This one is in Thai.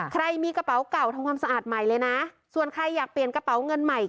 ใครมีกระเป๋าเก่าทำความสะอาดใหม่เลยนะส่วนใครอยากเปลี่ยนกระเป๋าเงินใหม่